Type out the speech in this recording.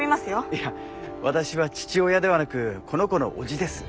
いや私は父親ではなくこの子の叔父です。